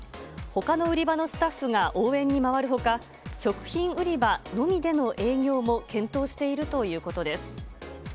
ほかの売り場のスタッフが応援に回るほか、食品売り場のみでの営業も検討しているということです。